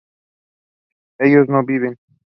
ellos no viven